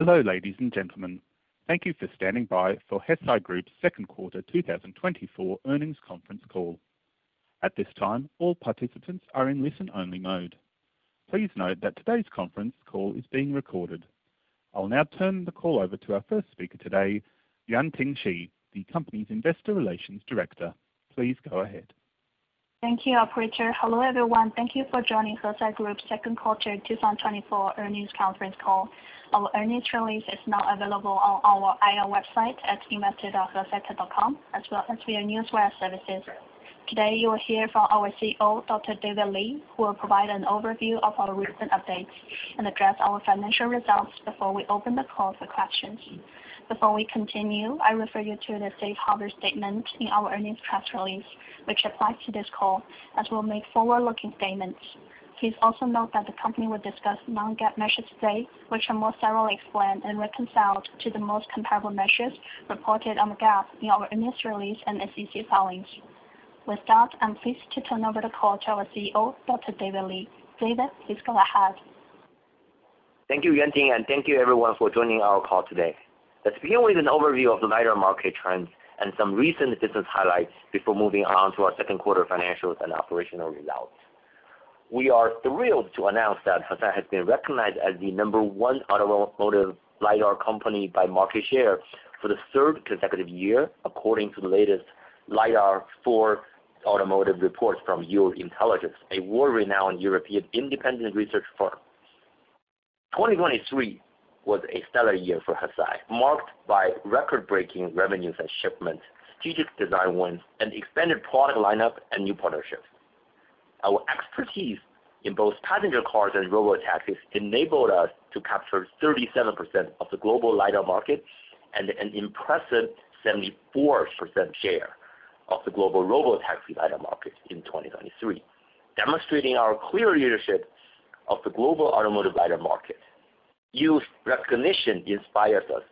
Hello, ladies and gentlemen. Thank you for standing by for Hesai Group's second quarter 2024 earnings conference call. At this time, all participants are in listen-only mode. Please note that today's conference call is being recorded. I'll now turn the call over to our first speaker today, Yuanting Shi, the company's Investor Relations Director. Please go ahead. Thank you, Operator. Hello, everyone. Thank you for joining Hesai Group's second quarter 2024 earnings conference call. Our earnings release is now available on our IR website at investor.hesai.com, as well as via Newswire services. Today, you will hear from our CEO, Dr. David Li, who will provide an overview of our recent updates and address our financial results before we open the call for questions. Before we continue, I refer you to the safe harbor statement in our earnings press release, which applies to this call, as we'll make forward-looking statements. Please also note that the company will discuss non-GAAP measures today, which are more thoroughly explained and reconciled to the most comparable measures reported on the GAAP in our earnings release and SEC filings. With that, I'm pleased to turn over the call to our CEO, Dr. David Li. David, please go ahead. Thank you, Yuanting, and thank you everyone for joining our call today. Let's begin with an overview of the LiDAR market trends and some recent business highlights before moving on to our second quarter financials and operational results. We are thrilled to announce that Hesai has been recognized as the number one automotive LiDAR company by market share for the third consecutive year, according to the latest LiDAR for Automotive Report from Yole Intelligence, a world-renowned European independent research firm. 2023 was a stellar year for Hesai, marked by record-breaking revenues and shipments, strategic design wins, an expanded product lineup, and new partnerships. Our expertise in both passenger cars and robotaxis enabled us to capture 37% of the global LiDAR market and an impressive 74% share of the global robotaxi LiDAR market in 2023, demonstrating our clear leadership of the global automotive LiDAR market. Yole Intelligence's recognition inspires us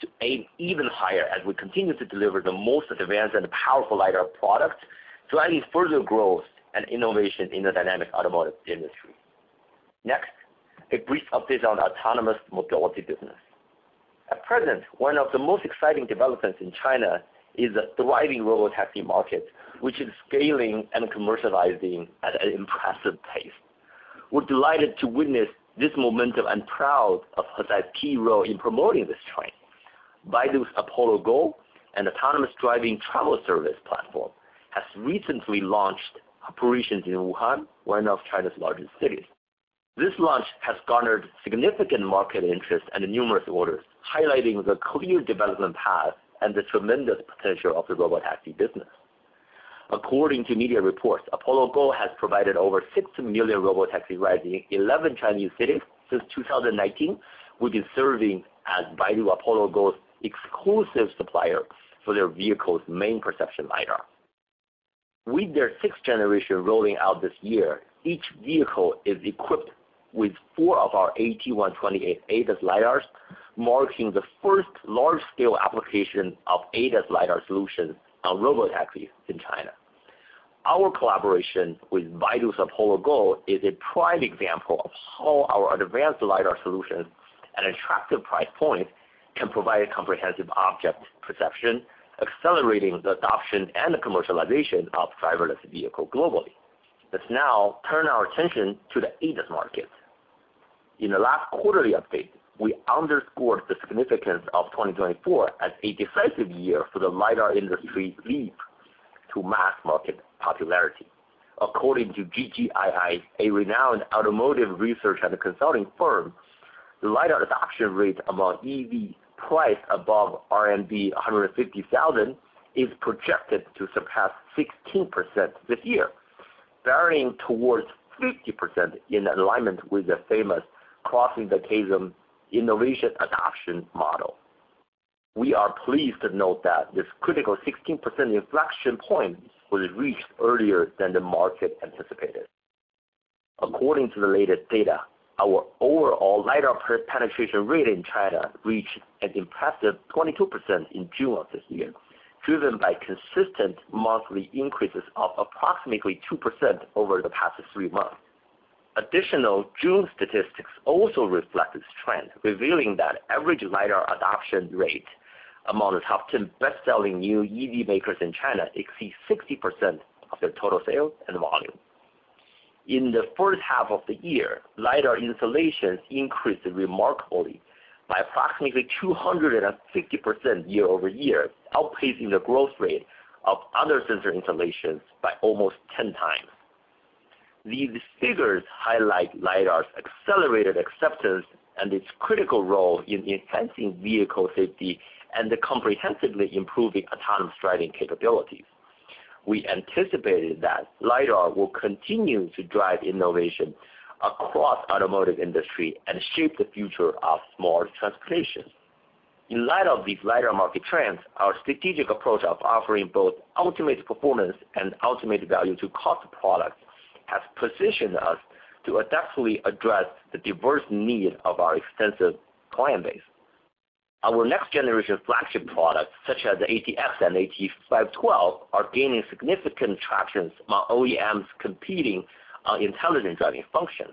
to aim even higher as we continue to deliver the most advanced and powerful LiDAR products, driving further growth and innovation in the dynamic automotive industry. Next, a brief update on autonomous mobility business. At present, one of the most exciting developments in China is the thriving robotaxi market, which is scaling and commercializing at an impressive pace. We're delighted to witness this momentum, and proud of Hesai's key role in promoting this trend. Baidu's Apollo Go, an autonomous driving travel service platform, has recently launched operations in Wuhan, one of China's largest cities. This launch has garnered significant market interest and numerous orders, highlighting the clear development path and the tremendous potential of the robotaxi business. According to media reports, Apollo Go has provided over 6 million robotaxi rides in 11 Chinese cities since 2019. We've been serving as Baidu Apollo Go's exclusive supplier for their vehicles' main perception LiDAR. With their sixth generation rolling out this year, each vehicle is equipped with four of our AT128 ADAS LiDARs, marking the first large-scale application of ADAS LiDAR solutions on robotaxis in China. Our collaboration with Baidu's Apollo Go is a prime example of how our advanced LiDAR solutions and attractive price point can provide a comprehensive object perception, accelerating the adoption and the commercialization of driverless vehicles globally. Let's now turn our attention to the ADAS market. In the last quarterly update, we underscored the significance of 2024 as a decisive year for the LiDAR industry leap to mass market popularity. According to GGII, a renowned automotive research and consulting firm, the LiDAR adoption rate among EV priced above RMB 150,000 is projected to surpass 16% this year, varying towards 50% in alignment with the famous Crossing the Chasm innovation adoption model. We are pleased to note that this critical 16% inflection point was reached earlier than the market anticipated. According to the latest data, our overall LiDAR penetration rate in China reached an impressive 22% in June of this year, driven by consistent monthly increases of approximately 2% over the past three months. Additional June statistics also reflect this trend, revealing that average LiDAR adoption rate among the top ten best-selling new EV makers in China exceeds 60% of their total sales and volume. In the first half of the year, LiDAR installations increased remarkably by approximately 260% year-over-year, outpacing the growth rate of other sensor installations by almost 10 times. These figures highlight LiDAR's accelerated acceptance and its critical role in enhancing vehicle safety and comprehensively improving autonomous driving capabilities. We anticipated that LiDAR will continue to drive innovation across automotive industry and shape the future of smart transportation. In light of these LiDAR market trends, our strategic approach of offering both ultimate performance and ultimate value to cost products has positioned us to adeptly address the diverse needs of our extensive client base. Our next generation flagship products, such as the ATX and AT512, are gaining significant tractions among OEMs competing on intelligent driving functions.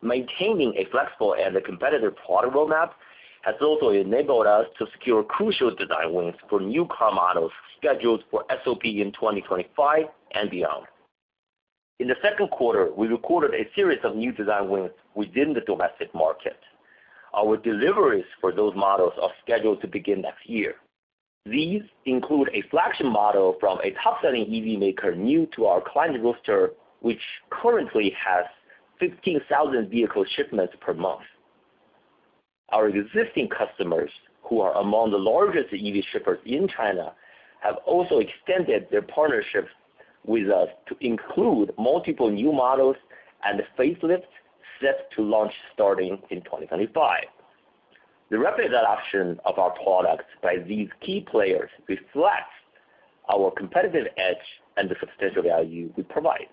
Maintaining a flexible and a competitive product roadmap has also enabled us to secure crucial design wins for new car models scheduled for SOP in 2025 and beyond. In the second quarter, we recorded a series of new design wins within the domestic market. Our deliveries for those models are scheduled to begin next year. These include a flagship model from a top-selling EV maker new to our client roster, which currently has 15,000 vehicle shipments per month. Our existing customers, who are among the largest EV shippers in China, have also extended their partnerships with us to include multiple new models and facelifts set to launch starting in 2025. The rapid adoption of our products by these key players reflects our competitive edge and the substantial value we provide.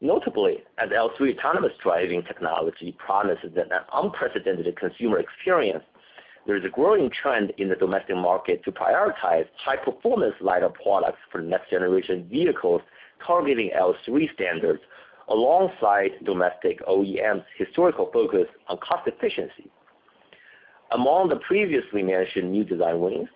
Notably, as L3 autonomous driving technology promises an unprecedented consumer experience, there is a growing trend in the domestic market to prioritize high-performance LiDAR products for next-generation vehicles targeting L3 standards, alongside domestic OEMs' historical focus on cost efficiency. Among the previously mentioned new design wins,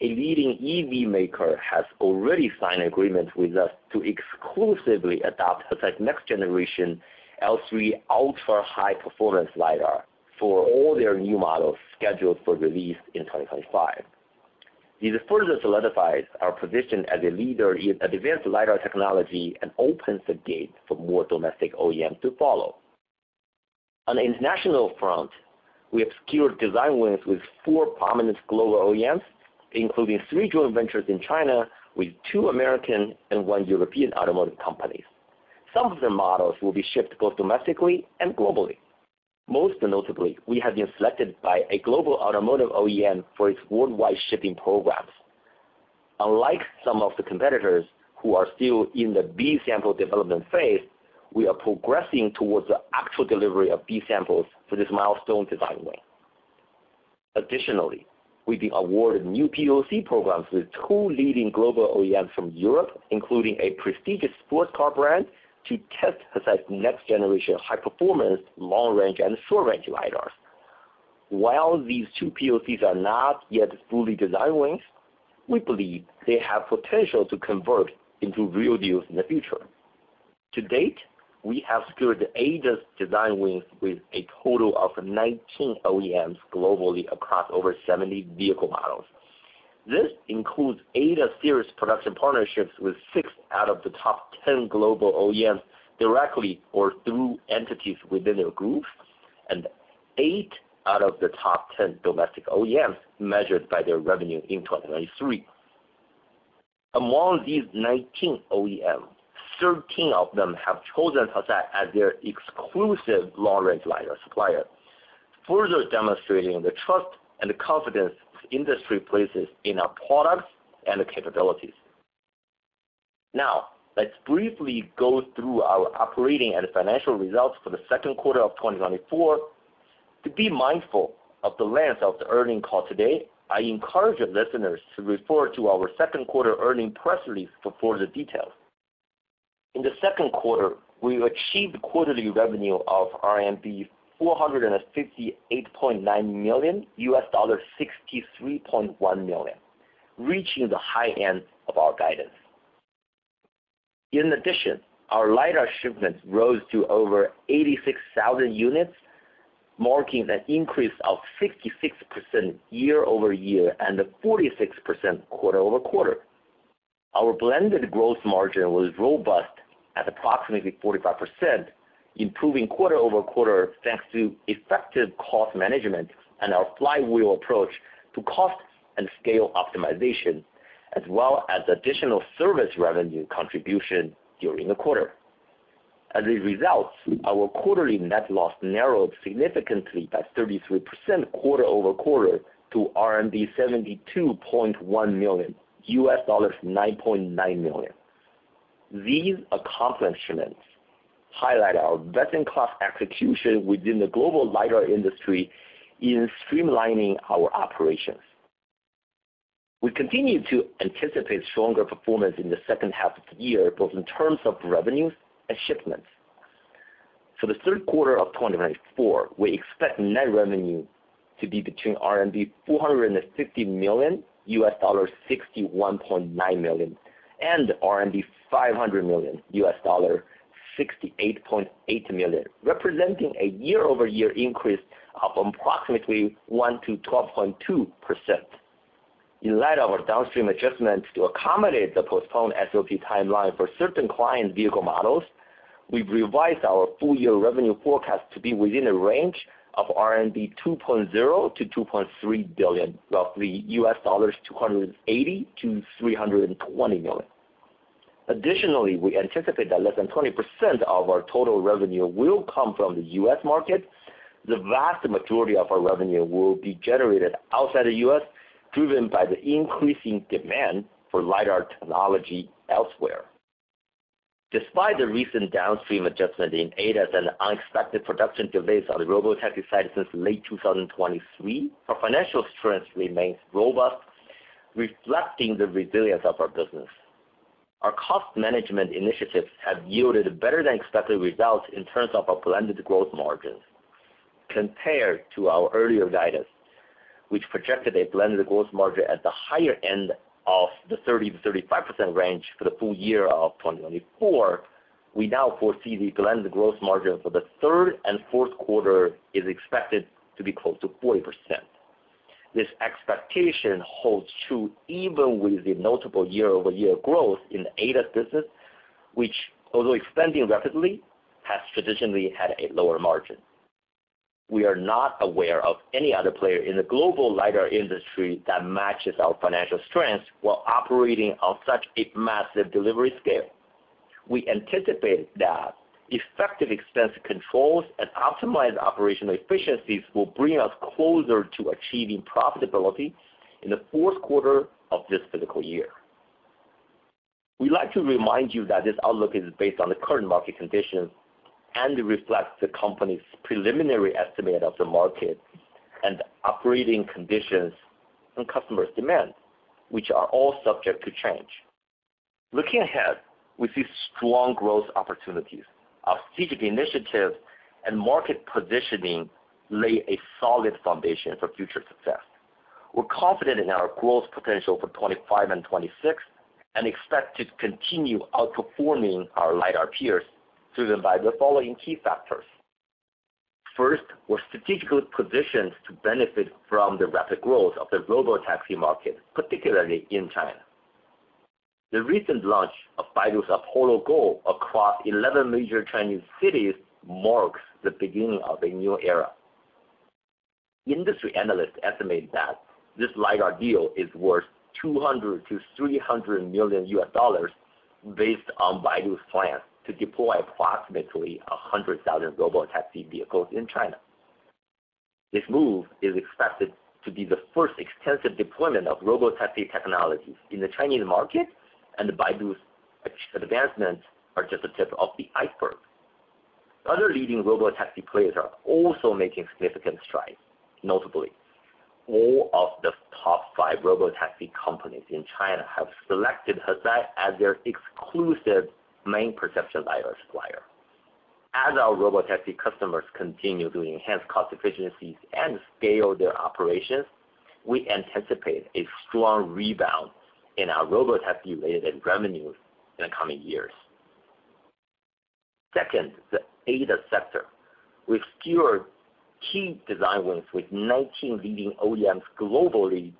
a leading EV maker has already signed an agreement with us to exclusively adopt Hesai's next-generation L3 ultra-high performance LiDAR for all their new models scheduled for release in 2025. This further solidifies our position as a leader in advanced LiDAR technology and opens the gate for more domestic OEMs to follow. On the international front, we have secured design wins with four prominent global OEMs, including three joint ventures in China, with two American and one European automotive companies. Some of their models will be shipped both domestically and globally. Most notably, we have been selected by a global automotive OEM for its worldwide shipping programs. Unlike some of the competitors who are still in the B sample development phase, we are progressing towards the actual delivery of B samples for this milestone design win. Additionally, we've been awarded new POC programs with two leading global OEMs from Europe, including a prestigious sports car brand, to test Hesai's next-generation high-performance, long-range, and short-range LiDARs. While these two POCs are not yet fully design wins, we believe they have potential to convert into real deals in the future. To date, we have secured eight design wins with a total of 19 OEMs globally across over 70 vehicle models. This includes eight serious production partnerships with six out of the top 10 global OEMs, directly or through entities within their group, and eight out of the top ten domestic OEMs, measured by their revenue in 2023. Among these 19 OEMs, 13 of them have chosen Hesai as their exclusive long-range LiDAR supplier, further demonstrating the trust and confidence the industry places in our products and capabilities. Now, let's briefly go through our operating and financial results for the second quarter of 2024. To be mindful of the length of the earnings call today, I encourage listeners to refer to our second quarter earnings press release for further details. In the second quarter, we achieved quarterly revenue of RMB 458.9 million, $63.1 million, reaching the high end of our guidance. In addition, our LiDAR shipments rose to over 86,000 units, marking an increase of 66% year-over-year and a 46% quarter-over-quarter. Our blended gross margin was robust at approximately 45%, improving quarter-over-quarter, thanks to effective cost management and our flywheel approach to cost and scale optimization, as well as additional service revenue contribution during the quarter. As a result, our quarterly net loss narrowed significantly by 33% quarter-over-quarter to RMB 72.1 million, $9.9 million. These accomplishments highlight our best-in-class execution within the global LiDAR industry in streamlining our operations. We continue to anticipate stronger performance in the second half of the year, both in terms of revenues and shipments. For the third quarter of 2024, we expect net revenue to be between RMB 450 million, $61.9 million, and RMB 500 million, $68.8 million, representing a year-over-year increase of approximately 1%-12.2%. In light of our downstream adjustments to accommodate the postponed SOP timeline for certain client vehicle models, we've revised our full-year revenue forecast to be within a range of RMB 2.0-2.3 billion, roughly $280-$320 million. Additionally, we anticipate that less than 20% of our total revenue will come from the U.S. market. The vast majority of our revenue will be generated outside the U.S., driven by the increasing demand for LiDAR technology elsewhere. Despite the recent downstream adjustment in ADAS and unexpected production delays on the robotaxi side since late 2023, our financial strength remains robust, reflecting the resilience of our business. Our cost management initiatives have yielded better-than-expected results in terms of our blended gross margin. Compared to our earlier guidance, which projected a blended gross margin at the higher end of the 30%-35% range for the full year of 2024, we now foresee the blended gross margin for the third and fourth quarter is expected to be close to 40%. This expectation holds true even with the notable year-over-year growth in the ADAS business, which, although expanding rapidly, has traditionally had a lower margin. We are not aware of any other player in the global LiDAR industry that matches our financial strength while operating on such a massive delivery scale. We anticipate that effective expense controls and optimized operational efficiencies will bring us closer to achieving profitability in the fourth quarter of this fiscal year. We'd like to remind you that this outlook is based on the current market conditions and reflects the company's preliminary estimate of the market and operating conditions and customers' demand, which are all subject to change. Looking ahead, we see strong growth opportunities. Our strategic initiatives and market positioning lay a solid foundation for future success. We're confident in our growth potential for 2025 and 2026, and expect to continue outperforming our LiDAR peers, driven by the following key factors. First, we're strategically positioned to benefit from the rapid growth of the robotaxi market, particularly in China. The recent launch of Baidu's Apollo Go across eleven major Chinese cities marks the beginning of a new era. Industry analysts estimate that this LiDAR deal is worth $200 million-$300 million based on Baidu's plan to deploy approximately 100,000 robotaxi vehicles in China. This move is expected to be the first extensive deployment of robotaxi technologies in the Chinese market, and Baidu's advancements are just the tip of the iceberg. Other leading robotaxi players are also making significant strides. Notably, all of the top five robotaxi companies in China have selected Hesai as their exclusive main perception LiDAR supplier. As our robotaxi customers continue to enhance cost efficiencies and scale their operations, we anticipate a strong rebound in our robotaxi-related revenues in the coming years. Second, the ADAS sector. We've secured key design wins with 19 leading OEMs globally,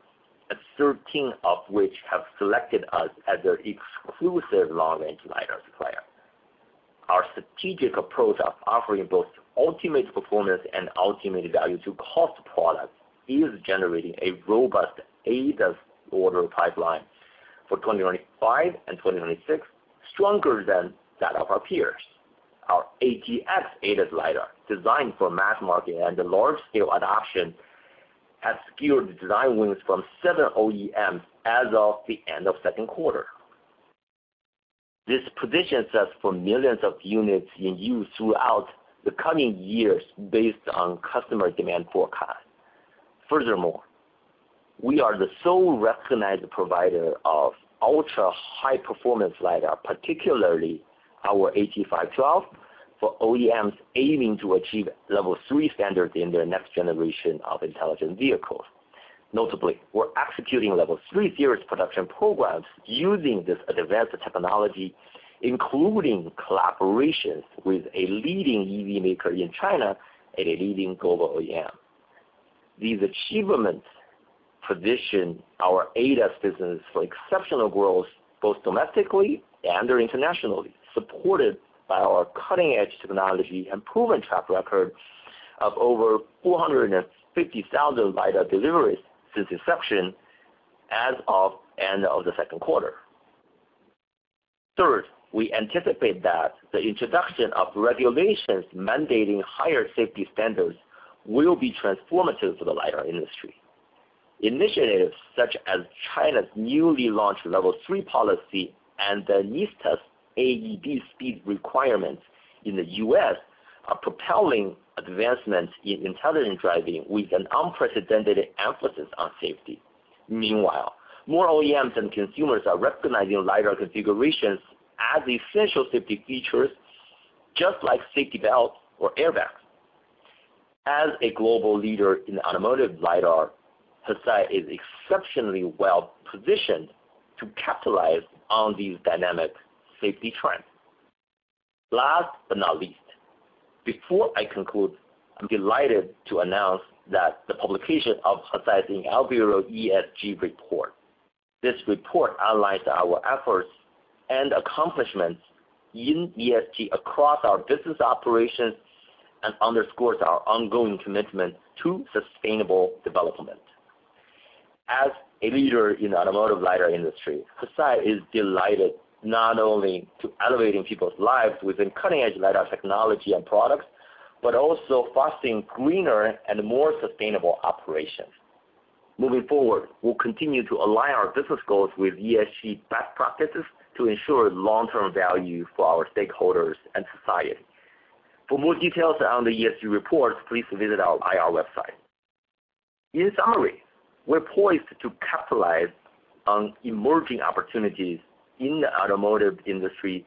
13 of which have selected us as their exclusive long-range LiDAR supplier. Our strategic approach of offering both ultimate performance and ultimate value to cost products is generating a robust ADAS order pipeline for 2025 and 2026, stronger than that of our peers. Our ATX ADAS LiDAR, designed for mass market and the large-scale adoption, has secured design wins from seven OEMs as of the end of second quarter. This positions us for millions of units in use throughout the coming years based on customer demand forecast. Furthermore, we are the sole recognized provider of ultra-high-performance LiDAR, particularly our AT512, for OEMs aiming to achieve Level Three standards in their next generation of intelligent vehicles. Notably, we're executing Level Three series production programs using this advanced technology, including collaborations with a leading EV maker in China and a leading global OEM. These achievements position our ADAS business for exceptional growth, both domestically and internationally, supported by our cutting-edge technology and proven track record of over 450,000 lidar deliveries since inception as of end of the second quarter. Third, we anticipate that the introduction of regulations mandating higher safety standards will be transformative for the lidar industry. Initiatives such as China's newly launched Level Three policy and the NHTSA test AEB speed requirements in the U.S. are propelling advancements in intelligent driving with an unprecedented emphasis on safety. Meanwhile, more OEMs and consumers are recognizing lidar configurations as essential safety features, just like safety belts or airbags. As a global leader in automotive lidar, Hesai is exceptionally well positioned to capitalize on these dynamic safety trends. Last but not least, before I conclude, I'm delighted to announce that the publication of Hesai's 2023 ESG report. This report outlines our efforts and accomplishments in ESG across our business operations, and underscores our ongoing commitment to sustainable development. As a leader in the automotive LiDAR industry, Hesai is delighted not only to elevating people's lives with cutting-edge LiDAR technology and products, but also fostering greener and more sustainable operations.… Moving forward, we'll continue to align our business goals with ESG best practices to ensure long-term value for our stakeholders and society. For more details on the ESG report, please visit our IR website. In summary, we're poised to capitalize on emerging opportunities in the automotive industry,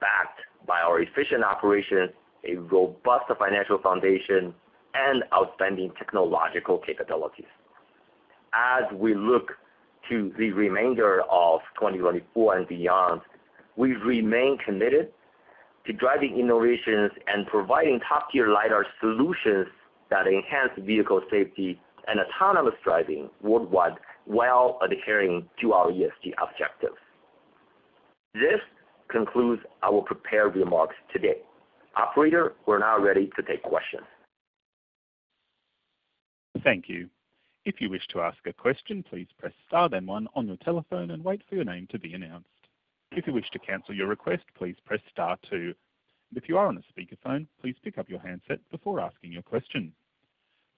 backed by our efficient operations, a robust financial foundation, and outstanding technological capabilities. As we look to the remainder of 2024 and beyond, we remain committed to driving innovations and providing top-tier LiDAR solutions that enhance vehicle safety and autonomous driving worldwide, while adhering to our ESG objectives. This concludes our prepared remarks today. Operator, we're now ready to take questions. Thank you. If you wish to ask a question, please press star then one on your telephone and wait for your name to be announced. If you wish to cancel your request, please press star two. If you are on a speakerphone, please pick up your handset before asking your question.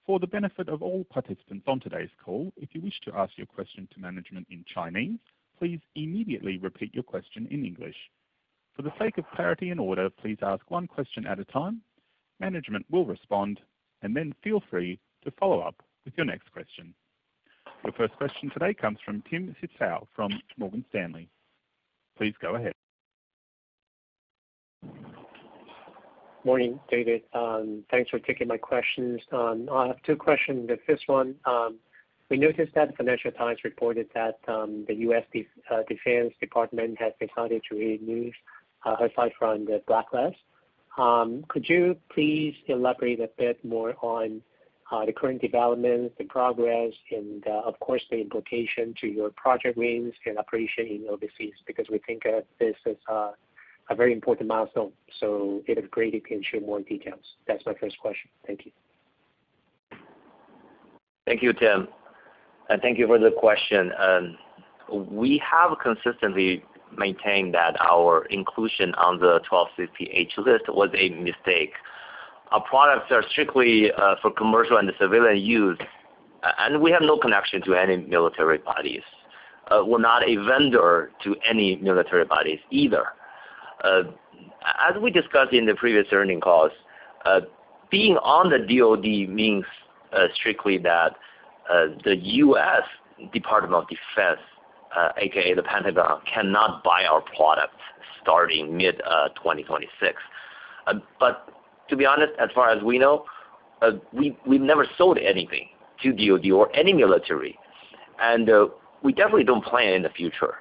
For the benefit of all participants on today's call, if you wish to ask your question to management in Chinese, please immediately repeat your question in English. For the sake of clarity and order, please ask one question at a time. Management will respond, and then feel free to follow up with your next question. The first question today comes from Tim Hsiao from Morgan Stanley. Please go ahead. Morning, David. Thanks for taking my questions. I have two questions. The first one, we noticed that Financial Times reported that the U.S. Department of Defense has decided to remove Hesai from the blacklist. Could you please elaborate a bit more on the current developments, the progress, and, of course, the implication to your project wins and operation in overseas? Because we think this is a very important milestone, so it is great if you can share more details. That's my first question. Thank you. Thank you, Tim, and thank you for the question. We have consistently maintained that our inclusion on the 1260H list was a mistake. Our products are strictly for commercial and civilian use, and we have no connection to any military bodies. We're not a vendor to any military bodies either. As we discussed in the previous earnings calls, being on the DoD means strictly that the U.S. Department of Defense, AKA the Pentagon, cannot buy our product starting mid 2026. But to be honest, as far as we know, we've never sold anything to DoD or any military, and we definitely don't plan in the future.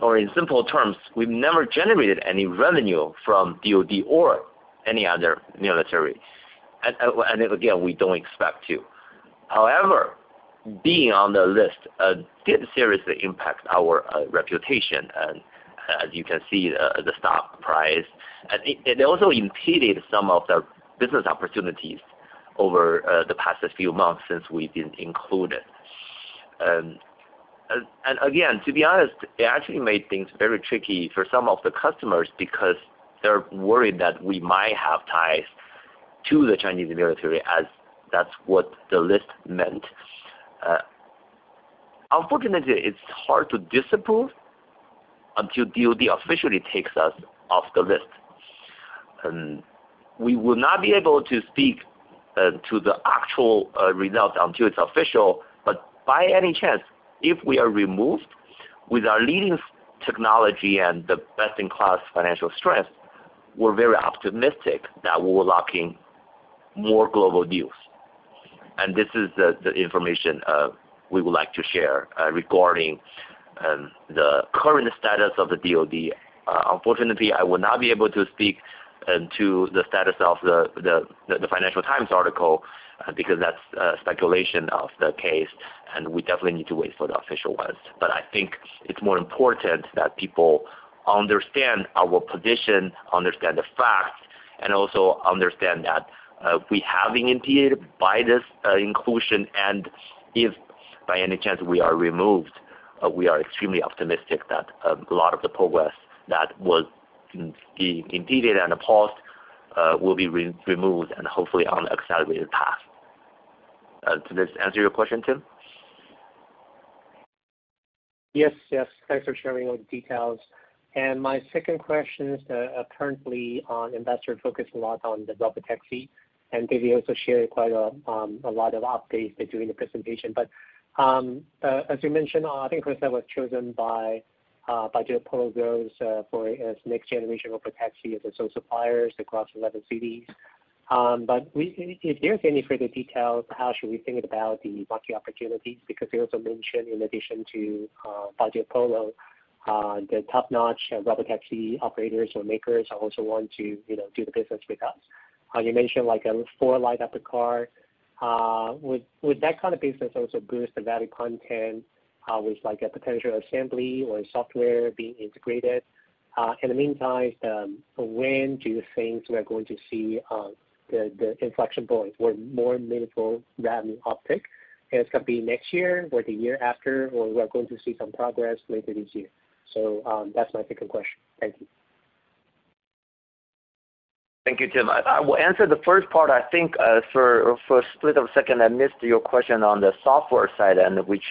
Or in simple terms, we've never generated any revenue from DoD or any other military, and again, we don't expect to. However, being on the list did seriously impact our reputation, and as you can see, the stock price, and it also impeded some of the business opportunities over the past few months since we've been included. And again, to be honest, it actually made things very tricky for some of the customers because they're worried that we might have ties to the Chinese military, as that's what the list meant. Unfortunately, it's hard to disprove until DoD officially takes us off the list. We will not be able to speak to the actual result until it's official, but by any chance, if we are removed, with our leading technology and the best-in-class financial strength, we're very optimistic that we'll lock in more global deals. And this is the information we would like to share regarding the current status of the DoD. Unfortunately, I will not be able to speak to the status of the Financial Times article because that's speculation of the case, and we definitely need to wait for the official ones. But I think it's more important that people understand our position, understand the facts, and also understand that we have been impeded by this inclusion. And if by any chance we are removed, we are extremely optimistic that a lot of the progress that was being impeded and paused will be removed and hopefully on an accelerated path. Does this answer your question, Tim? Yes. Yes, thanks for sharing all the details. My second question is, currently on investor focus a lot on the robotaxi, and David also shared quite a, a lot of updates during the presentation. As you mentioned, I think was chosen by Baidu Apollo Go for as next generation robotaxi as a sole suppliers across eleven cities. If there's any further details, how should we think about the market opportunities? Because you also mentioned in addition to Baidu Apollo Go, the top-notch robotaxi operators or makers also want to, you know, do the business with us. You mentioned like a four LiDAR In the meantime, when do you think we are going to see the inflection point where more meaningful revenue uptick? Is it gonna be next year or the year after, or we are going to see some progress later this year? So, that's my second question. Thank you. Thank you, Tim. I will answer the first part. I think, for a split of a second, I missed your question on the software side, and which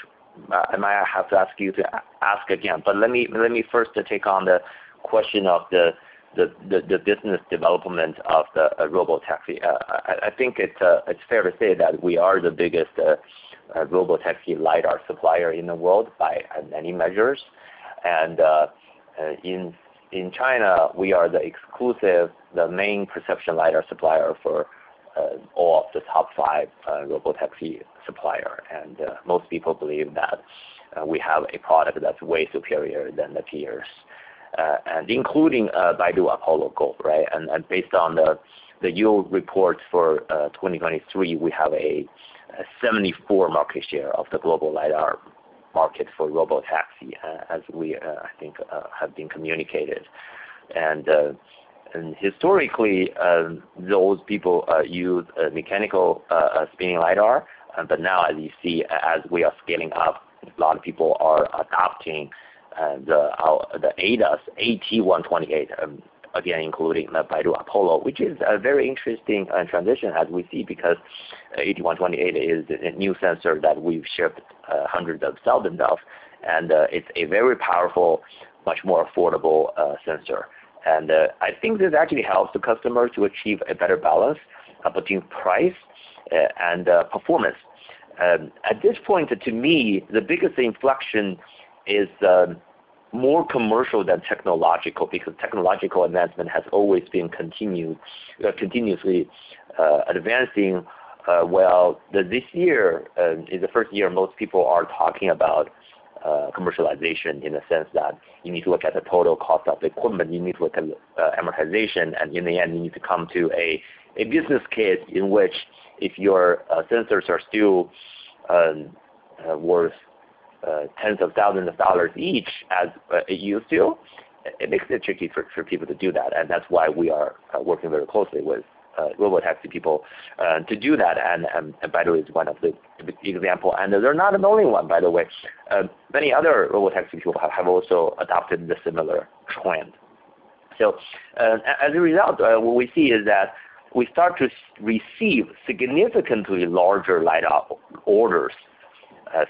I might have to ask you to ask again. But let me first take on the question of the business development of the robotaxi. I think it's fair to say that we are the biggest robotaxi LiDAR supplier in the world by many measures. In China, we are the exclusive, the main perception LiDAR supplier for all of the top five robotaxi supplier. Most people believe that we have a product that's way superior than the peers, and including Baidu Apollo Go, right? Based on the Yole report for 2023, we have a 74% market share of the global LiDAR market for robotaxi, as we, I think, have been communicated. Historically, those people use a mechanical spinning LiDAR. But now, as you see, as we are scaling up, a lot of people are adopting our ADAS AT128, again, including the Baidu Apollo, which is a very interesting transition as we see, because AT128 is a new sensor that we've shipped hundreds of thousands of, and it's a very powerful, much more affordable sensor. I think this actually helps the customer to achieve a better balance between price and performance. At this point, to me, the biggest inflection is more commercial than technological, because technological advancement has always been continued continuously advancing. Well, this year is the first year most people are talking about commercialization in the sense that you need to look at the total cost of the equipment, you need to look at amortization, and in the end, you need to come to a business case in which if your sensors are still worth tens of thousands of dollars each, as they used to, it makes it tricky for people to do that. And that's why we are working very closely with robotaxi people to do that, and Baidu is one of the example, and they're not the only one, by the way. Many other robotaxi people have also adopted the similar trend. So, as a result, what we see is that we start to receive significantly larger LiDAR orders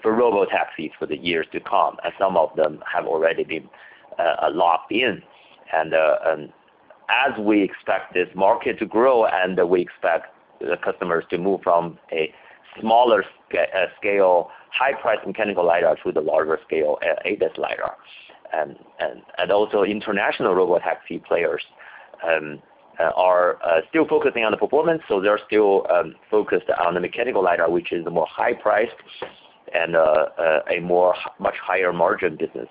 for robotaxis for the years to come, and some of them have already been locked in. And as we expect this market to grow, and we expect the customers to move from a smaller scale, high price mechanical LiDAR to the larger scale ADAS LiDAR. And also international robotaxi players are still focusing on the performance, so they're still focused on the mechanical LiDAR, which is the more high price and a much higher margin business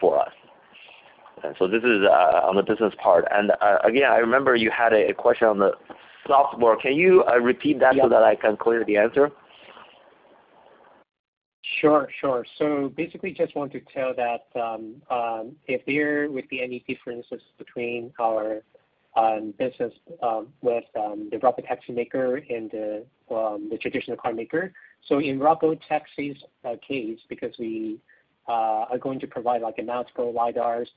for us. So this is on the business part. And again, I remember you had a question on the software. Can you repeat that so that I can clear the answer? Sure, sure. So basically, just want to tell that if there would be any differences between our business with the robotaxi maker and the traditional car maker. So in robotaxi's case, because we are going to provide, like, a mount for LiDARs,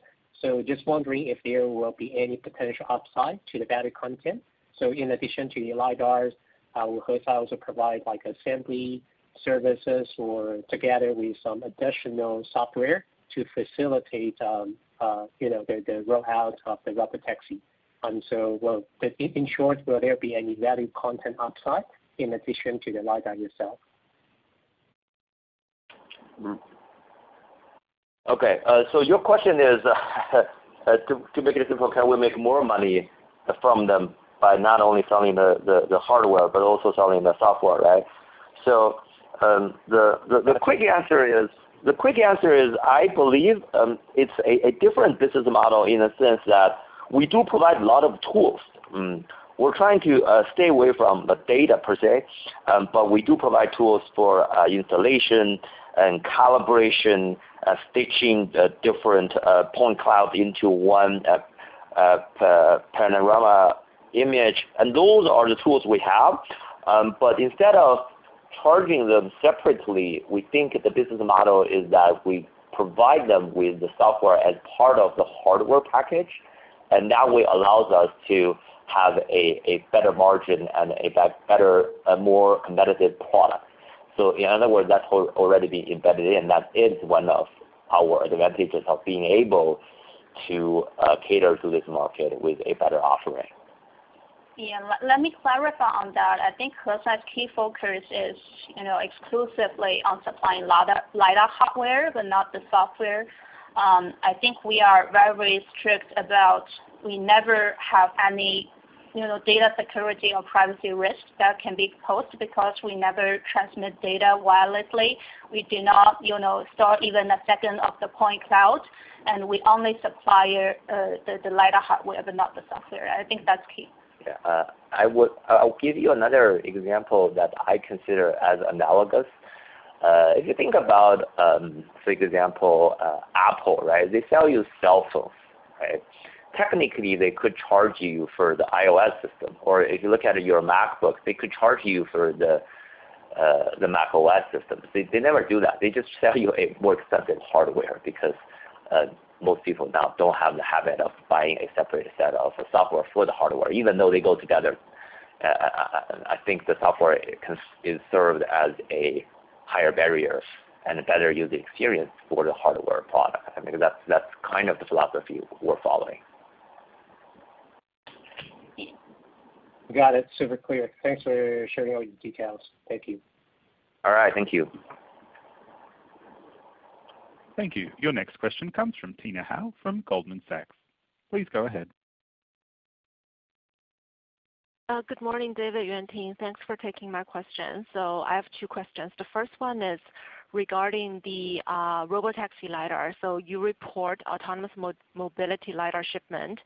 so just wondering if there will be any potential upside to the value content. So in addition to the LiDARs, will Hesai also provide, like, assembly services or together with some additional software to facilitate you know the rollout of the robotaxi? And so, well, in short, will there be any value content upside in addition to the LiDAR itself? Okay, so your question is, to make it simple, can we make more money from them by not only selling the hardware, but also selling the software, right? So, the quick answer is, I believe, it's a different business model in a sense that we do provide a lot of tools. We're trying to stay away from the data per se, but we do provide tools for installation and calibration, stitching the different point cloud into one panorama image, and those are the tools we have. But instead of charging them separately, we think the business model is that we provide them with the software as part of the hardware package, and that way allows us to have a better margin and a better, more competitive product. So in other words, that's already been embedded in. That is one of our advantages of being able to cater to this market with a better offering. Yeah, let me clarify on that. I think Hesai's key focus is, you know, exclusively on supplying LiDAR hardware, but not the software. I think we are very, very strict about we never have any, you know, data security or privacy risk that can be posed because we never transmit data wirelessly. We do not, you know, store even a second of the point cloud, and we only supply the LiDAR hardware, but not the software. I think that's key. Yeah, I'll give you another example that I consider as analogous. If you think about, for example, Apple, right? They sell you cell phones, right? Technically, they could charge you for the iOS system, or if you look at your MacBook, they could charge you for the Mac OS systems. They never do that. They just sell you a more expensive hardware, because most people now don't have the habit of buying a separate set of software for the hardware, even though they go together. I think the software is served as a higher barrier and a better user experience for the hardware product. I mean, that's kind of the philosophy we're following. Got it. Super clear. Thanks for sharing all your details. Thank you. All right, thank you. Thank you. Your next question comes from Tina Hou, from Goldman Sachs. Please go ahead. Good morning, David, Yuanting. Thanks for taking my question. So I have two questions. The first one is regarding the robotaxi LiDAR. So you report autonomous mobility LiDAR shipment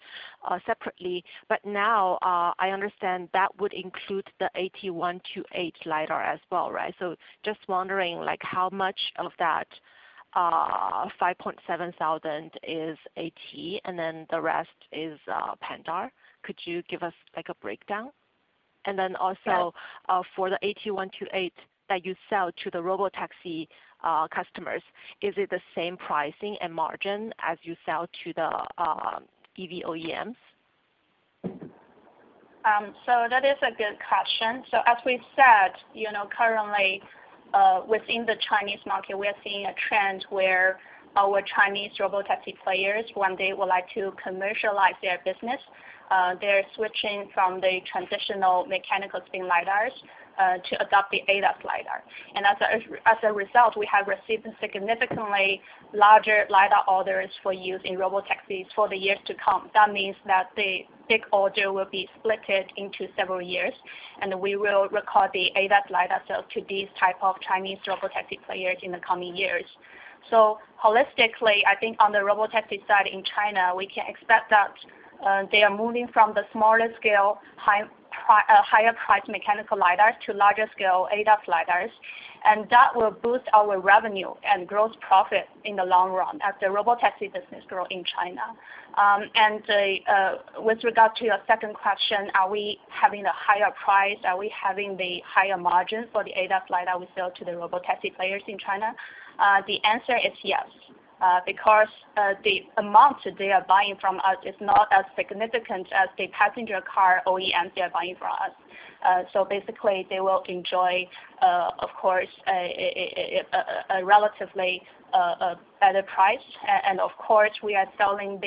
separately, but now I understand that would include the AT128 LiDAR as well, right? So just wondering, like, how much of that 5,700 is AT, and then the rest is Pandar? Could you give us, like, a breakdown? And then also For the AT128 that you sell to the robotaxi customers, is it the same pricing and margin as you sell to the EV OEMs? So that is a good question. So as we said, you know, currently, within the Chinese market, we are seeing a trend where our Chinese robotaxi players, when they would like to commercialize their business, they're switching from the transitional mechanical spin LiDARs to adopt the ADAS LiDAR. And as a result, we have received significantly larger LiDAR orders for use in robotaxis for the years to come. That means that the big order will be split into several years, and we will record the ADAS LiDAR sale to these type of Chinese robotaxi players in the coming years. So holistically, I think on the robotaxi side in China, we can expect that they are moving from the smaller scale, higher price mechanical LiDARs to larger scale ADAS LiDARs, and that will boost our revenue and gross profit in the long run, as the robotaxi business grow in China. With regard to your second question, are we having a higher price? Are we having the higher margin for the ADAS LiDAR we sell to the robotaxi players in China? The answer is yes. Because the amount they are buying from us is not as significant as the passenger car OEMs they are buying from us. So basically, they will enjoy, of course, a relatively better price. And of course, we are selling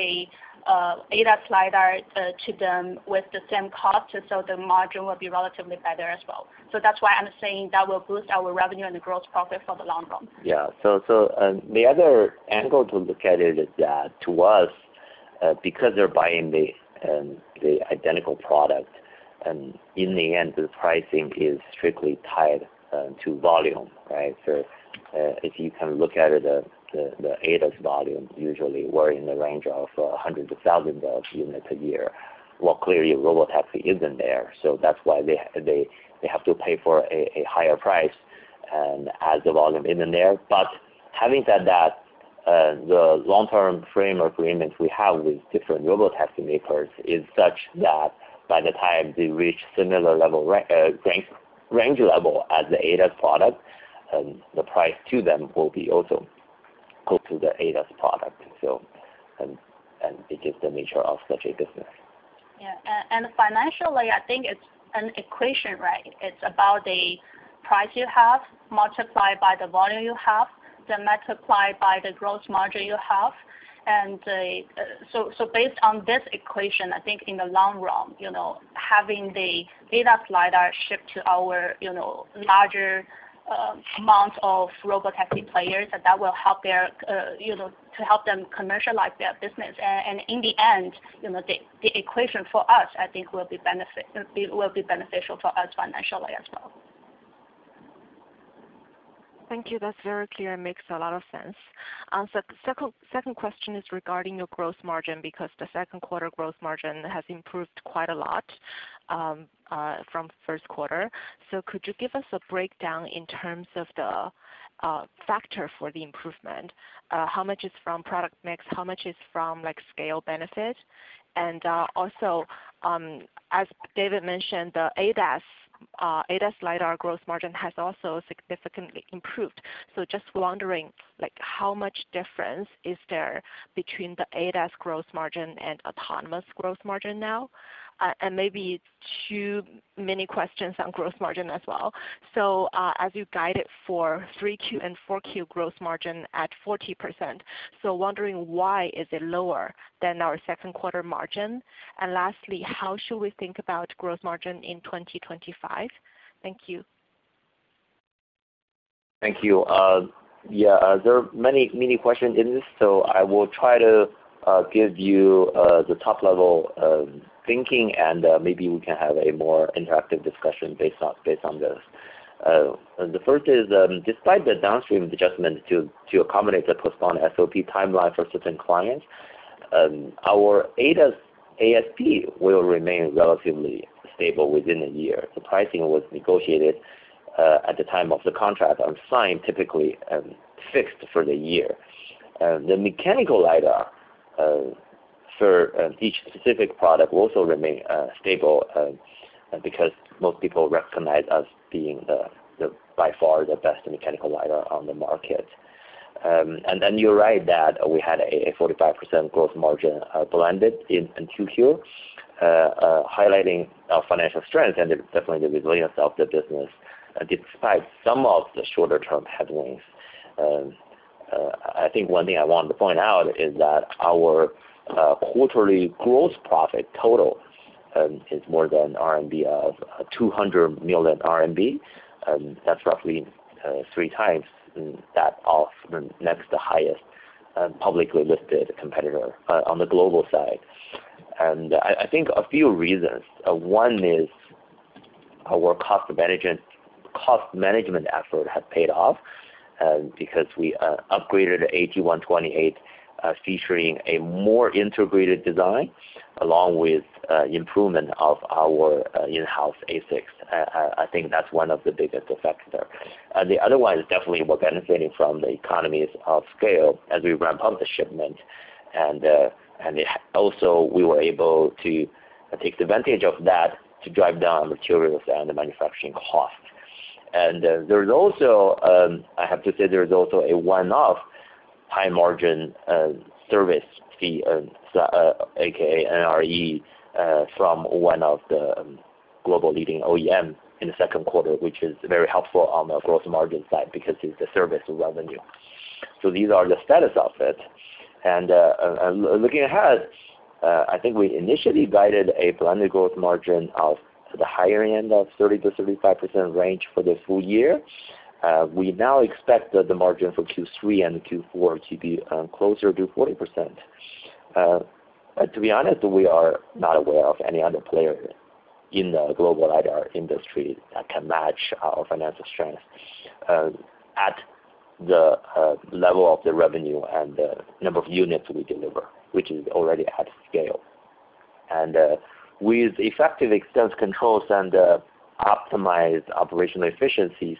the ADAS LiDAR to them with the same cost, so the margin will be relatively better as well. So that's why I'm saying that will boost our revenue and the gross profit for the long run. Yeah. The other angle to look at it is that, to us, because they're buying the identical product, and in the end, the pricing is strictly tied to volume, right? If you kind of look at it, the ADAS volume usually were in the range of hundreds of thousands of units a year, while clearly robotaxi isn't there. That's why they have to pay for a higher price as the volume in there. But having said that, the long-term frame agreement we have with different robotaxi makers is such that by the time they reach similar level range level as the ADAS product, the price to them will be also close to the ADAS product. And it's just the nature of such a business. Yeah. And financially, I think it's an equation, right? It's about the price you have, multiplied by the volume you have, then multiplied by the gross margin you have. And so based on this equation, I think in the long run, you know, having the ADAS LiDAR shift to our, you know, larger amount of robotaxi players, that will help their, you know, to help them commercialize their business. And in the end, you know, the equation for us, I think, will be beneficial for us financially as well. Thank you. That's very clear and makes a lot of sense. So the second question is regarding your gross margin, because the second quarter gross margin has improved quite a lot from first quarter. So could you give us a breakdown in terms of the factor for the improvement? How much is from product mix, how much is from, like, scale benefit? And also, as David mentioned, the ADAS LiDAR gross margin has also significantly improved. So just wondering, like, how much difference is there between the ADAS gross margin and autonomous gross margin now? And maybe too many questions on gross margin as well. So as you guide it for three Q and four Q gross margin at 40%, so wondering why is it lower than our second quarter margin? Lastly, how should we think about gross margin in 2025? Thank you. Thank you. Yeah, there are many, many questions in this, so I will try to give you the top level thinking, and maybe we can have a more interactive discussion based on, based on this. The first is, despite the downstream adjustment to accommodate the postponed SOP timeline for certain clients, our ADAS ASP will remain relatively stable within a year. The pricing was negotiated at the time of the contract and signed, typically fixed for the year. The mechanical LiDAR for each specific product will also remain stable, because most people recognize us being the, the, by far, the best mechanical LiDAR on the market. And then you're right, that we had a 45% gross margin, blended in 2Q, highlighting our financial strength and definitely the resilience of the business, despite some of the shorter term headwinds. I think one thing I want to point out is that our quarterly gross profit total is more than 200 million RMB, and that's roughly three times that of the next highest publicly listed competitor on the global side. I think a few reasons, one is our cost management effort has paid off, because we upgraded AT128, featuring a more integrated design, along with improvement of our in-house ASICs. I think that's one of the biggest effects there. The other one is definitely we're benefiting from the economies of scale as we ramp up the shipment, and also, we were able to take advantage of that to drive down materials and the manufacturing cost. And, there's also, I have to say there's also a one-off high margin service fee, aka NRE, from one of the global leading OEM in the second quarter, which is very helpful on the gross margin side, because it's the service revenue. So these are the status of it. Looking ahead, I think we initially guided a blended gross margin of the higher end of 30%-35% range for the full year. We now expect that the margin for Q3 and Q4 to be closer to 40%. To be honest, we are not aware of any other player in the global LiDAR industry that can match our financial strength at the level of the revenue and the number of units we deliver, which is already at scale. With effective expense controls and optimized operational efficiencies,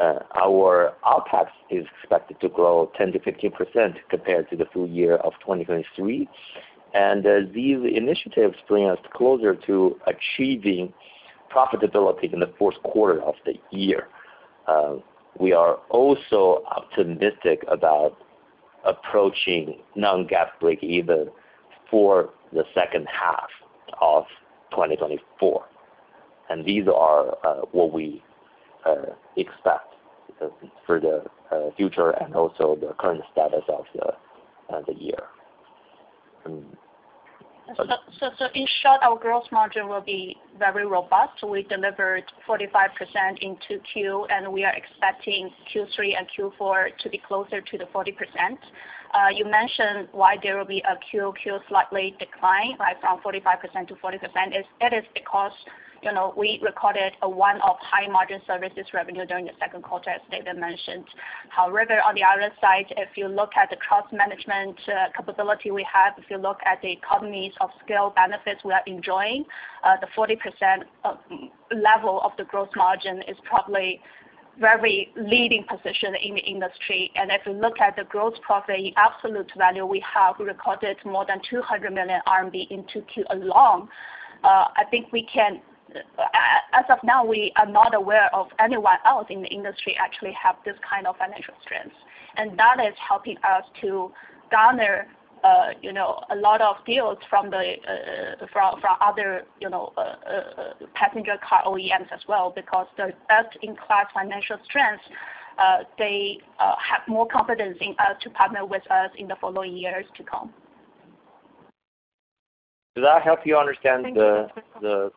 our OpEx is expected to grow 10%-15% compared to the full year of 2023. These initiatives bring us closer to achieving profitability in the fourth quarter of the year. We are also optimistic about approaching non-GAAP break-even for the second half of 2024. These are what we expect for the future and also the current status of the year. In short, our gross margin will be very robust. We delivered 45% in 2Q, and we are expecting Q3 and Q4 to be closer to the 40%. You mentioned why there will be a Q/Q slight decline from 45% to 40%. It is because, you know, we recorded a one-off high margin services revenue during the second quarter, as David mentioned. However, on the other side, if you look at the cost management capability we have, if you look at the economies of scale benefits we are enjoying, the 40% level of the gross margin is probably very leading position in the industry. And if you look at the gross profit, the absolute value, we have recorded more than 200 million RMB in 2Q alone. I think we can, as of now, we are not aware of anyone else in the industry actually have this kind of financial strength, and that is helping us to garner, you know, a lot of deals from other, you know, passenger car OEMs as well, because the best-in-class financial strength, they have more confidence in us to partner with us in the following years to come. Does that help you understand the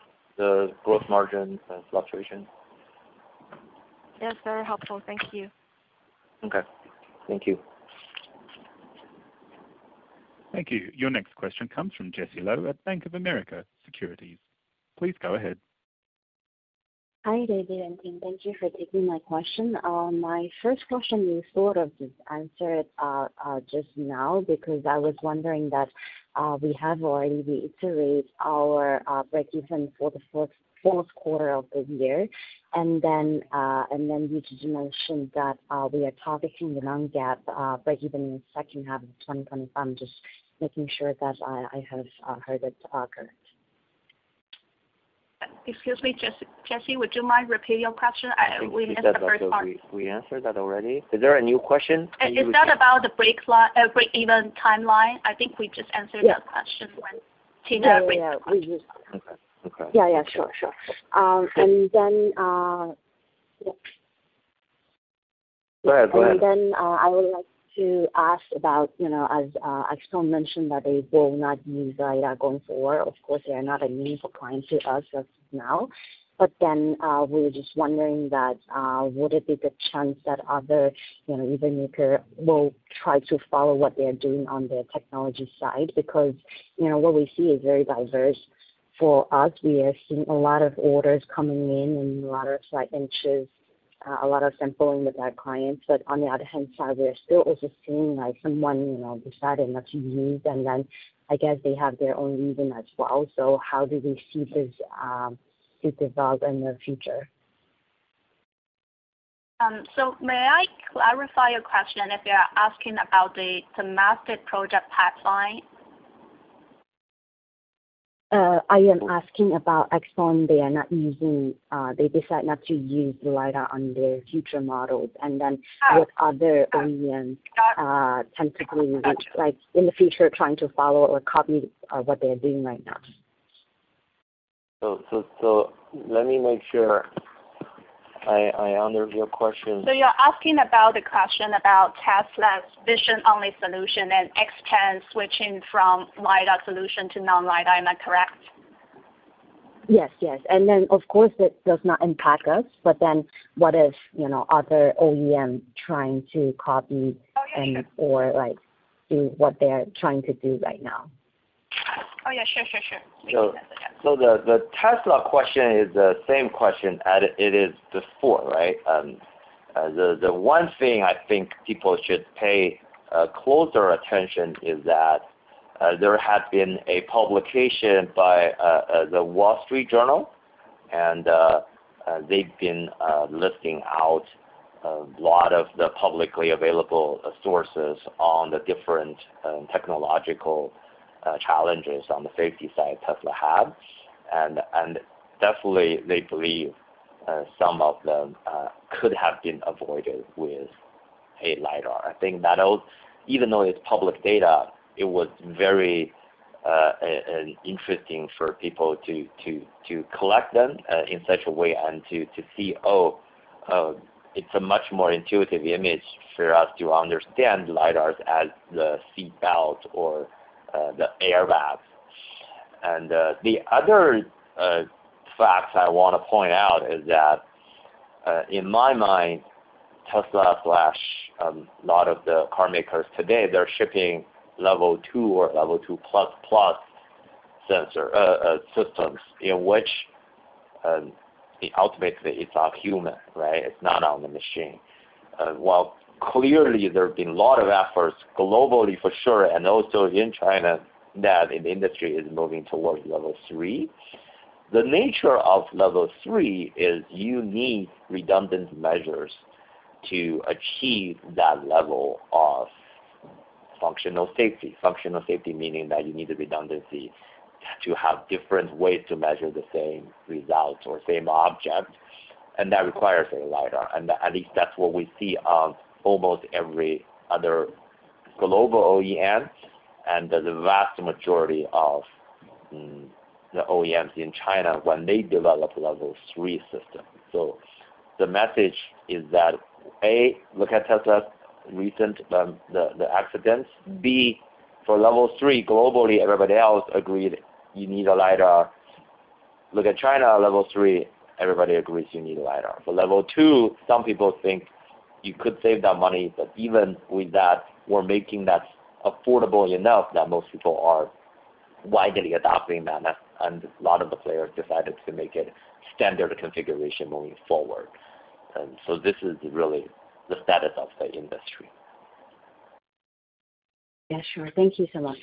gross margin fluctuation? Yes, very helpful. Thank you. Okay, thank you. Thank you. Your next question comes from Jessie Lo at Bank of America Securities. Please go ahead. Hi, David and team, thank you for taking my question. My first question, you sort of just answered just now, because I was wondering that we have already reiterated our break even for the fourth quarter of the year. And then you just mentioned that we are targeting the non-GAAP break even in the second half of 2025. I'm just making sure that I have heard it correct. Excuse me, Jessie, would you mind repeating your question? I, we missed the first part. I think we answered that already. Is there a new question? Is that about the break even timeline? I think we just answered that question when Tina raised the question. Yeah, we did. Okay. Okay. Yeah, yeah, sure, sure. And then, Go ahead, go ahead. I would like to ask about, you know, as XPeng mentioned, that they will not use LiDAR going forward. Of course, they are not a new client to us as of now. But then, we were just wondering that, would it be the chance that other, you know, even if they will try to follow what they are doing on the technology side? Because, you know, what we see is very diverse. For us, we are seeing a lot of orders coming in and a lot of like, inquiries, a lot of sampling with our clients. But on the other hand side, we are still also seeing, like someone, you know, deciding not to use, and then I guess they have their own reason as well. So how do we see this, it develop in the future?... so, may I clarify your question if you are asking about the master project pipeline? I am asking about XPeng. They are not using, they decide not to use the LiDAR on their future models, and then What other OEMs tend to be, like, in the future, trying to follow or copy what they are doing right now? Let me make sure I honor your question. So you're asking about the question about Tesla's vision-only solution and XPeng switching from LiDAR solution to non-LiDAR, am I correct? Yes, yes, and then, of course, it does not impact us, but then what if, you know, other OEM trying to copy and/or, like, do what they're trying to do right now? Oh, yeah. Sure, sure, sure. The Tesla question is the same question as it is before, right? The one thing I think people should pay closer attention is that there has been a publication by The Wall Street Journal, and they've been listing out a lot of the publicly available sources on the different technological challenges on the safety side Tesla have. And definitely they believe some of them could have been avoided with a lidar. I think that all even though it's public data, it was very interesting for people to collect them in such a way and to see, oh, it's a much more intuitive image for us to understand lidars as the seat belt or the airbag. The other facts I want to point out is that, in my mind, Tesla slash a lot of the car makers today, they're shipping level two or level two plus plus sensor systems, in which ultimately it's on human, right? It's not on the machine. While clearly there have been a lot of efforts globally for sure, and also in China, that in the industry is moving towards level three, the nature of level three is you need redundant measures to achieve that level of functional safety. Functional safety meaning that you need the redundancy to have different ways to measure the same results or same object, and that requires a lidar. And at least that's what we see on almost every other global OEMs and the vast majority of the OEMs in China when they develop level three system. The message is that, A, look at Tesla's recent accidents. B, for Level 3, globally, everybody else agreed you need a LiDAR. Look at China, Level 3, everybody agrees you need a LiDAR. For Level 2, some people think you could save that money, but even with that, we're making that affordable enough that most people are widely adopting them, and a lot of the players decided to make it standard configuration moving forward, and so this is really the status of the industry. Yeah, sure. Thank you so much.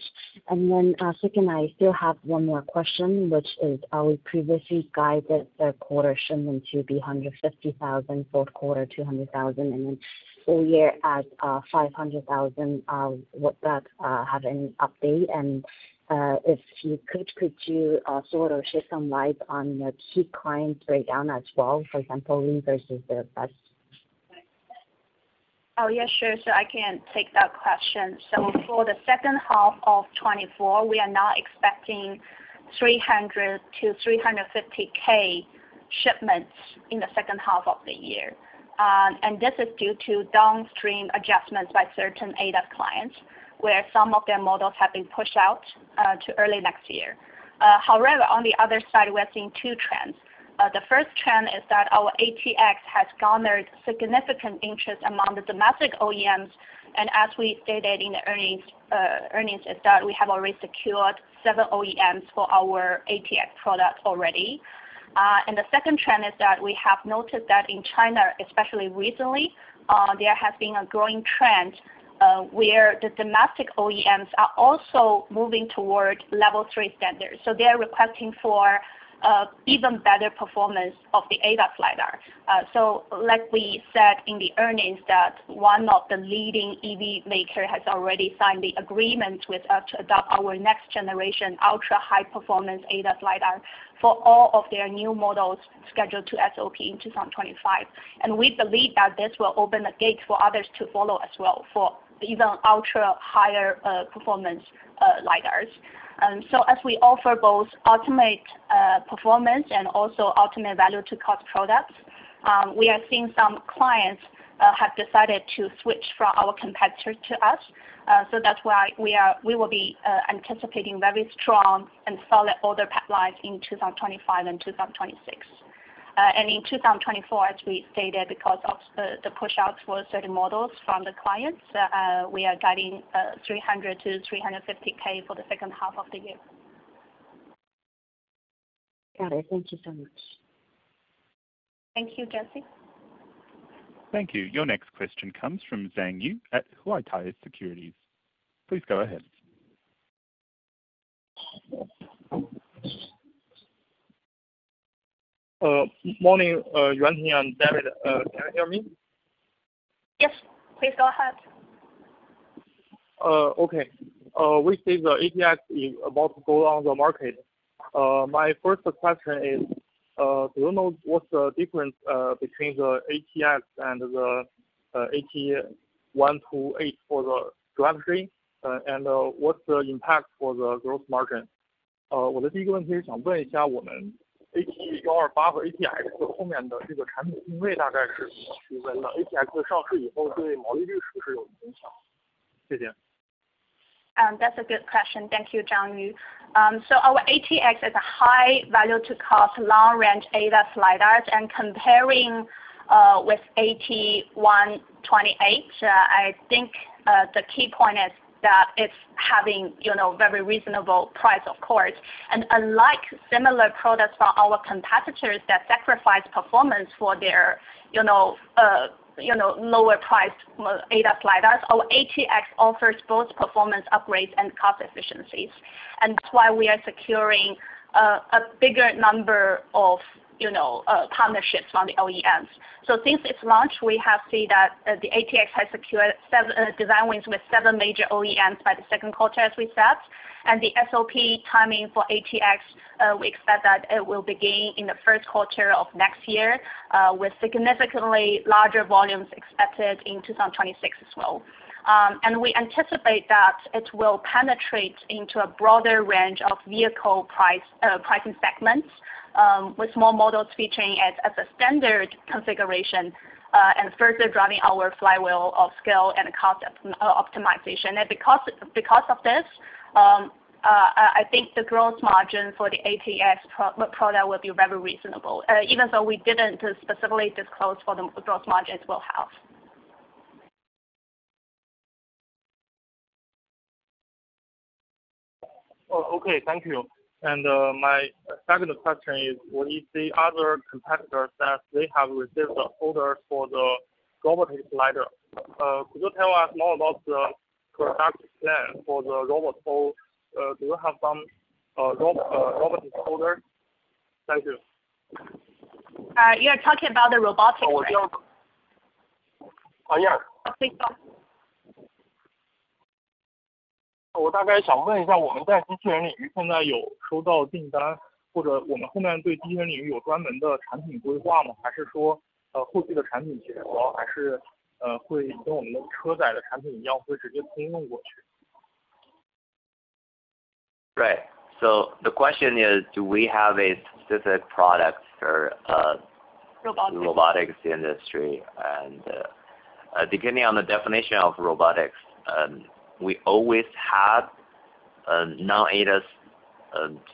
Then, second, I still have one more question, which is, we previously guided the quarter shipments should be 150,000, fourth quarter, 200,000, and then full year at 500,000. Do you have any update? And if you could sort of shed some light on the key clients breakdown as well, for example, versus the rest? Oh, yeah, sure. I can take that question. For the second half of 2024, we are now expecting 300-350K shipments in the second half of the year. This is due to downstream adjustments by certain ADAS clients, where some of their models have been pushed out to early next year. However, on the other side, we are seeing two trends. The first trend is that our ATX has garnered significant interest among the domestic OEMs, and as we stated in the earnings, is that we have already secured several OEMs for our ATX product already. The second trend is that we have noticed that in China, especially recently, there has been a growing trend where the domestic OEMs are also moving toward Level 3 standards. So they are requesting for even better performance of the ADAS LiDAR. So like we said in the earnings, that one of the leading EV maker has already signed the agreement with us to adopt our next generation ultra-high performance ADAS LiDAR for all of their new models scheduled to SOP in 2025. And we believe that this will open the gate for others to follow as well for even ultra higher performance lidars. So as we offer both ultimate performance and also ultimate value to cost products, we are seeing some clients have decided to switch from our competitor to us. So that's why we will be anticipating very strong and solid order pipelines in 2025 and 2026. And in 2024, as we stated, because of the pushouts for certain models from the clients, we are guiding 300-350K for the second half of the year. Got it. Thank you so much. Thank you, Jessie. Thank you. Your next question comes from Zhang Yu at Huatai Securities. Please go ahead. Morning, Yuanqing and David. Can you hear me? Yes, please go ahead. Okay. We see the ATX is about to go on the market. My first question is, do you know what's the difference between the ATX and the AT128 for the L3? And, what's the impact for the gross margin? That's a good question. Thank you, Zhang Yu. So our ATX is a high value to cost, long-range ADAS LiDARs, and comparing with AT128, I think the key point is that it's having, you know, very reasonable price, of course. And unlike similar products from our competitors that sacrifice performance for their, you know, you know, lower priced ADAS LiDARs, our ATX offers both performance upgrades and cost efficiencies. And that's why we are securing a bigger number of, you know, partnerships from the OEMs. Since its launch, we have seen that the ATX has secured seven design wins with seven major OEMs by the second quarter, as we said. The SOP timing for ATX, we expect that it will begin in the first quarter of next year with significantly larger volumes expected in 2026 as well. We anticipate that it will penetrate into a broader range of vehicle pricing segments with more models featuring as a standard configuration and further driving our flywheel of scale and cost optimization. Because of this, I think the gross margin for the ATX product will be very reasonable even though we didn't specifically disclose what the gross margins will have. Oh, okay. Thank you. And, my second question is: With the other competitors that they have received the orders for the robotics LiDAR, could you tell us more about the product plan for the robot pool? Do you have some robotics orders? Thank you. You're talking about the robotics, right? Uh, yeah. Please go on. Right. So the question is, do we have a specific product for, Robotics... robotics industry? And, depending on the definition of robotics, we always have, non-ADAS,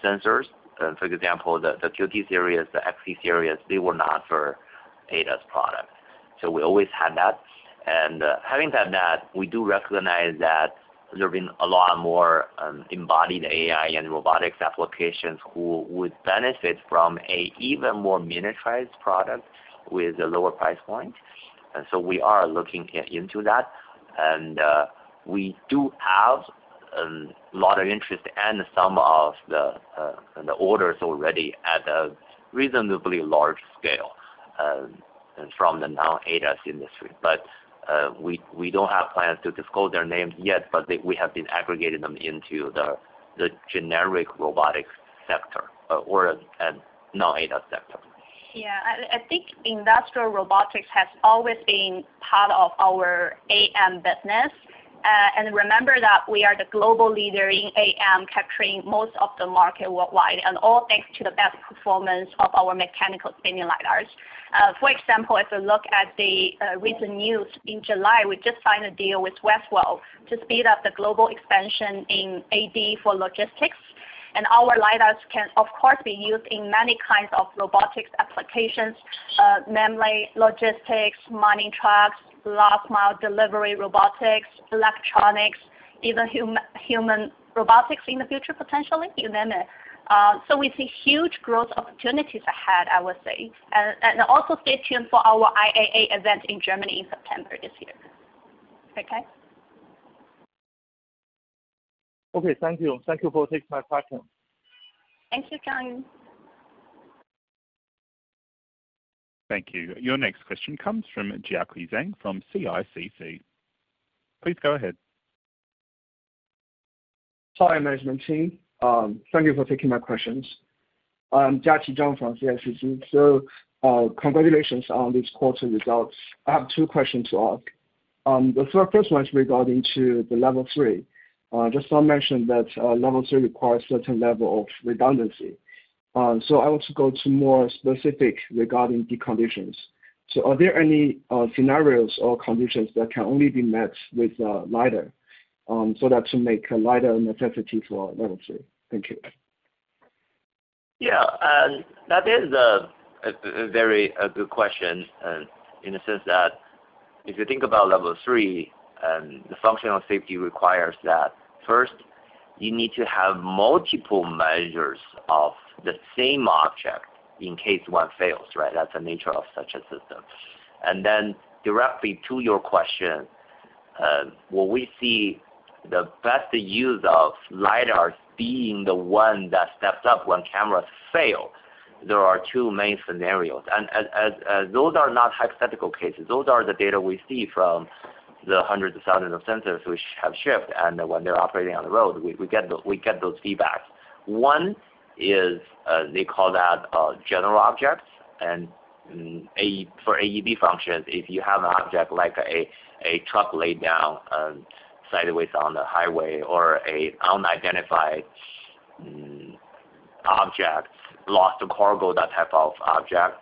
sensors. For example, the QT series, the XC series, they were not for ADAS product. So we always had that. And, having said that, we do recognize that there have been a lot more, embodied AI and robotics applications who would benefit from a even more miniaturized product with a lower price point. And so we are looking at into that, and, we do have, a lot of interest and some of the, orders already at a reasonably large scale, from the non-ADAS industry. But, we don't have plans to disclose their names yet, but they, we have been aggregating them into the, the generic robotics sector, or, non-ADAS sector. Yeah. I think industrial robotics has always been part of our AM business, and remember that we are the global leader in AM, capturing most of the market worldwide, and all thanks to the best performance of our mechanical spinning LiDARs. For example, if you look at the recent news, in July, we just signed a deal with Westwell to speed up the global expansion in AD for logistics, and our LiDARs can, of course, be used in many kinds of robotics applications, mainly logistics, mining trucks, last mile delivery, robotics, electronics, even human robotics in the future, potentially. You name it. So we see huge growth opportunities ahead, I would say, and also stay tuned for our IAA event in Germany in September this year. Okay? Okay, thank you. Thank you for taking my question. Thank you, Zhang Yu. Thank you. Your next question comes from Jiaqi Zhang from CICC. Please go ahead. Hi, management team. Thank you for taking my questions. I'm Jiaqi Zhang from CICC. So, congratulations on these quarter results. I have two questions to ask. The first one is regarding to the Level 3. Just now mentioned that Level 3 requires certain level of redundancy. So I want to go to more specific regarding the conditions. So are there any scenarios or conditions that can only be met with LiDAR so that to make a LiDAR a necessity for Level 3? Thank you. Yeah. And that is a very good question in the sense that if you think about Level 3, the functional safety requires that first, you need to have multiple measures of the same object in case one fails, right? That's the nature of such a system. And then directly to your question. Well, we see the best use of LiDARs being the one that steps up when cameras fail. There are two main scenarios, and as those are not hypothetical cases, those are the data we see from the hundreds of thousands of sensors which have shipped, and when they're operating on the road, we get those feedbacks. One is, they call that, general objects, and, AE, for AEB functions, if you have an object like a truck laid down, sideways on the highway or an unidentified object, lost cargo, that type of object,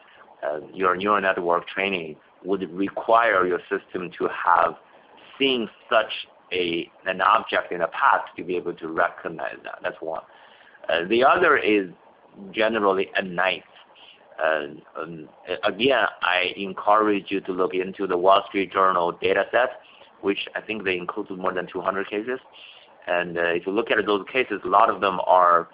your neural network training would require your system to have seen such an object in the past to be able to recognize that. That's one. The other is generally at night, and again, I encourage you to look into the Wall Street Journal dataset, which I think they included more than 200 cases, and if you look at those cases, a lot of them are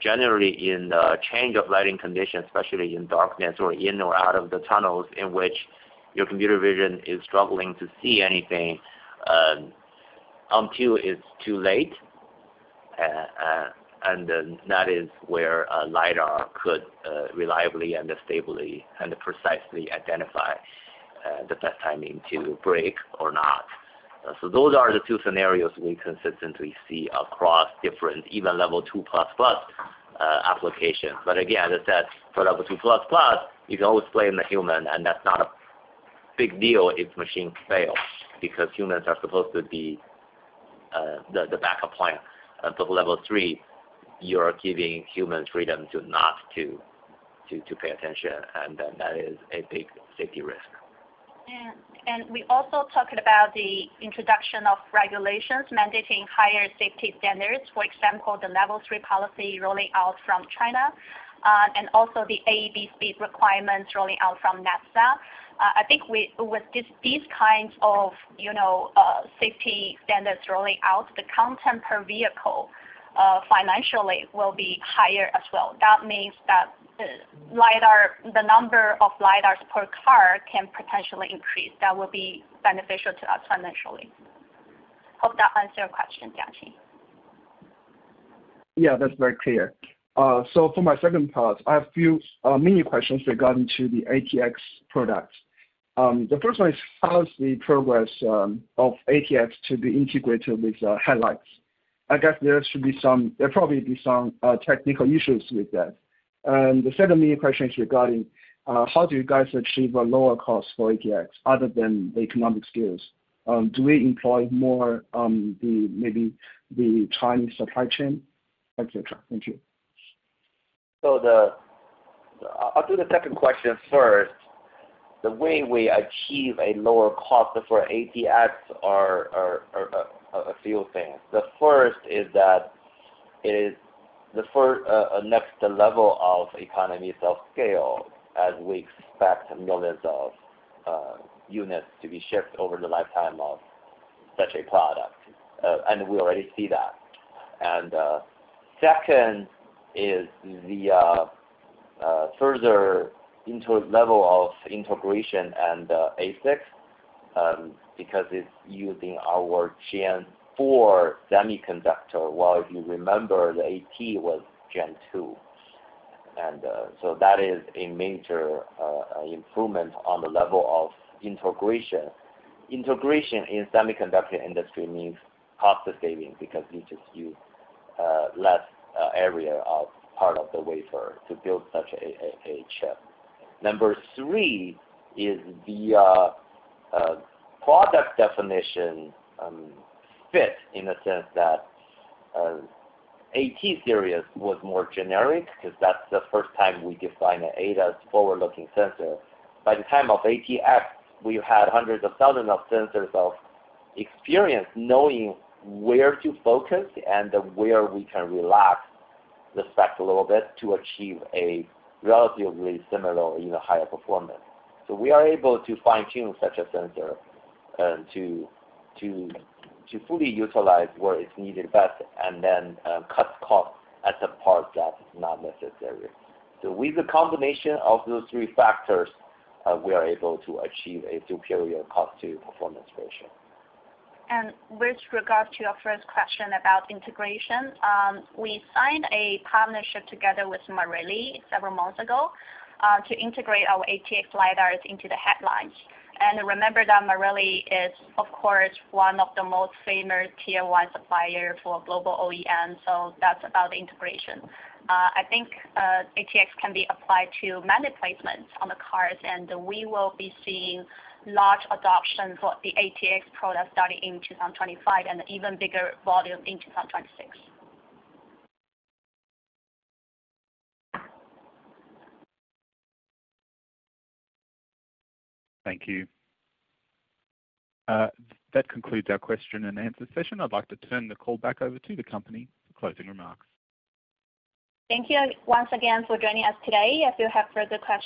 generally in the change of lighting conditions, especially in darkness or in and out of the tunnels, in which your computer vision is struggling to see anything, until it's too late. And then that is where a LiDAR could reliably and stably and precisely identify the best timing to brake or not. So those are the two scenarios we consistently see across different, even Level 2 plus, plus applications. But again, as I said, for Level 2 plus, plus, you can always blame the human, and that's not a big deal if machines fail, because humans are supposed to be the backup plan. But Level 3, you're giving humans freedom to not to pay attention, and then that is a big safety risk. Yeah, and we also talked about the introduction of regulations mandating higher safety standards. For example, the Level 3 policy rolling out from China, and also the AEB speed requirements rolling out from NHTSA. I think with these kinds of, you know, safety standards rolling out, the content per vehicle financially will be higher as well. That means that, LiDAR, the number of LiDARs per car can potentially increase. That will be beneficial to us financially. Hope that answers your question, Jiaqi. Yeah, that's very clear. So for my second part, I have a few mini questions regarding to the ATX product. The first one is, how is the progress of ATX to be integrated with headlights? I guess there should be some technical issues with that. And the second mini question is regarding how do you guys achieve a lower cost for ATX other than the economic scales? Do we employ more, maybe the Chinese supply chain, etc.? Thank you. I'll do the second question first. The way we achieve a lower cost for ATX are a few things. The first is that it is the next level of economies of scale as we expect millions of units to be shipped over the lifetime of such a product. We already see that. Second is the further into a level of integration and ASICs, because it's using our Gen four semiconductor, while if you remember, the AT was Gen two. That is a major improvement on the level of integration. Integration in semiconductor industry means cost savings, because you just use less area of part of the wafer to build such a chip. Number three is the product definition fit in the sense that AT series was more generic, because that's the first time we designed an ADAS forward-looking sensor. By the time of ATX, we've had hundreds of thousands of sensors of experience, knowing where to focus and where we can relax the specs a little bit to achieve a relatively similar, you know, higher performance. So we are able to fine-tune such a sensor to fully utilize where it's needed best and then cut costs at the part that is not necessary. So with the combination of those three factors, we are able to achieve a superior cost to performance ratio. With regards to your first question about integration, we signed a partnership together with Marelli several months ago, to integrate our ATX LiDARs into the headlights. Remember that Marelli is of course, one of the most famous Tier One supplier for global OEM, so that's about integration. I think, ATX can be applied to many placements on the cars, and we will be seeing large adoption for the ATX product starting in 2025 and even bigger volume in 2026. Thank you. That concludes our question and answer session. I'd like to turn the call back over to the company for closing remarks. Thank you once again for joining us today. If you have further questions-